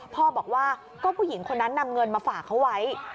พ่อบอกว่าก็ผู้หญิงคนนั้นนำเงินมาฝากเขาไว้